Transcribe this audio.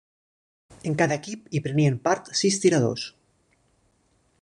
En cada equip hi prenien part sis tiradors.